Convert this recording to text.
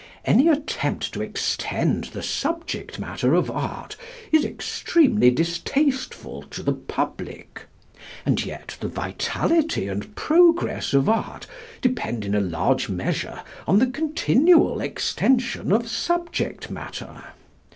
Any attempt to extend the subject matter of art is extremely distasteful to the public; and yet the vitality and progress of art depend in a large measure on the continual extension of subject matter.